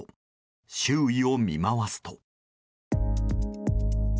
周囲を見回すと。